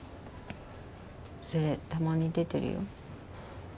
それたまに出てるよ。